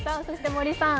森さん